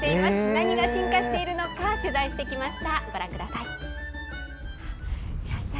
何が進化しているのか取材してきました。